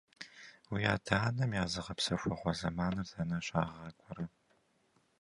Уи адэ-анэм я зыгъэпсэхугъуэ зэманыр дэнэ щагъакӀуэрэ?